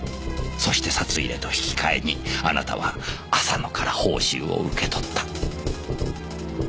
そして札入れと引き換えにあなたは浅野から報酬を受け取った。